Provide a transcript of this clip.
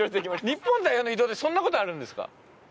日本代表の移動でそんな事あるんですか。